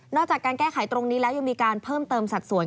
จากการแก้ไขตรงนี้แล้วยังมีการเพิ่มเติมสัดส่วน